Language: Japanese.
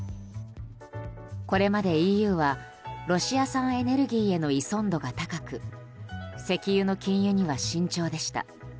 これまでＥＵはロシア産エネルギーへの依存度が高く石油の禁輸には慎重でした。